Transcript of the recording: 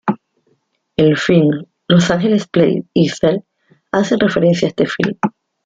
El film "Los Angeles Plays Itself" hace referencia a este film.